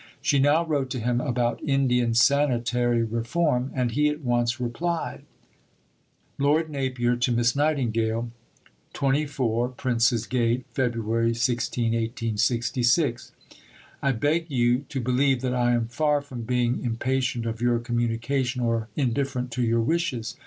She now wrote to him about Indian sanitary reform, and he at once replied: (Lord Napier to Miss Nightingale.) 24 PRINCES GATE, Feb. 16 . I beg you to believe that I am far from being impatient of your communication or indifferent to your wishes.